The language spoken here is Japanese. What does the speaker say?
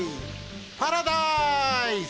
パラダイス！